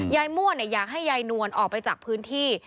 มั่วอยากให้ยายนวลออกไปจากพื้นที่